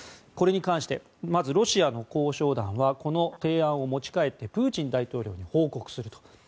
これに関してまずロシアの交渉団はこの提案を持ち帰ってプーチン大統領に報告すると。